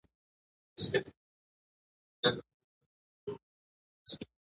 نوم یې پرېښود، «پر بایسکل د غونډې نړۍ سفر».